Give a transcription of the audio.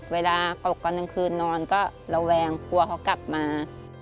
เวลาตกตอนกลางคืนนอนก็ระแวงกลัวเขากลับมา